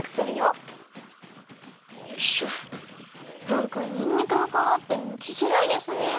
なんかにんにくのかわってむきづらいですね。